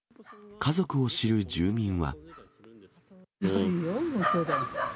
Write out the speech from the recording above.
家族を知る住民は。